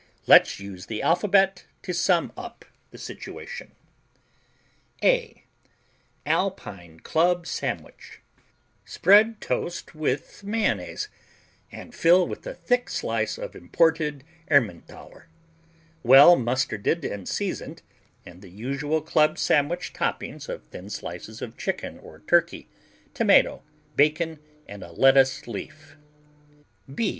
Let's use the alphabet to sum up the situation. A Alpine Club Sandwich Spread toasts with mayonnaise and fill with a thick slice of imported Emmentaler, well mustarded and seasoned, and the usual club sandwich toppings of thin slices of chicken or turkey, tomato, bacon and a lettuce leaf.